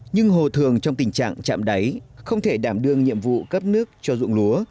nhưng hồ thường trong tình trạng chạm đáy không thể đảm đương nhiệm vụ cấp nước cho dụng lúa